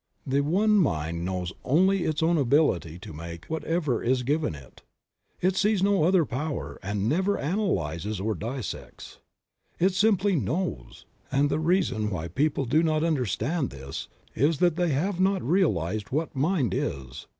The ONE MIND knows only its own ability to make whatever is given It; It sees no other power and never analyzes or dissects; It simply KNOWS, and the reason why people do not under stand this is that they have not realized what mind is.